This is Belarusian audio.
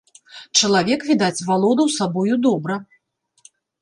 Чалавек, відаць, валодаў сабою добра.